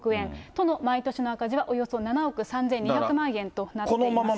都の毎年の赤字は７億３２００万円となっております。